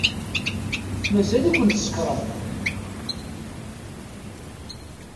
Mazal-iken tsekṛem.